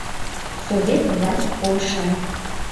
Совет власть полышан.